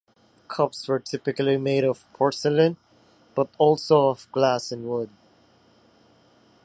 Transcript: Cups were typically made of porcelain, but also of glass and wood.